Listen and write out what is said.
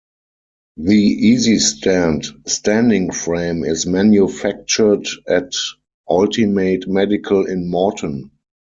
The EasyStand standing frame is manufactured at Altimate Medical in Morton.